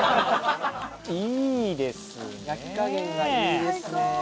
いいですね。